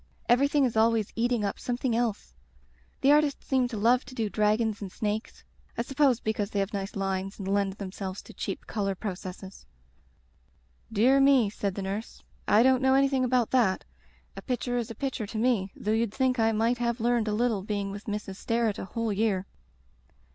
Everything is always eating up something else. The art ists seem to love to do dragons and snakes. I suppose because they have nice lines and lend themselves to cheap color processes.*' "Dear me/' said the nurse, "I don't know anything about that. A picture is a picture to me, though you'd think I might have learned a little being with Mrs. Sterret a whole year."